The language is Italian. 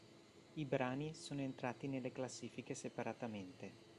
I brani sono entrati nelle classifiche separatamente.